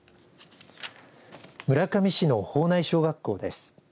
村上市の保内小学校です。